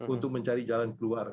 untuk mencari jalan keluar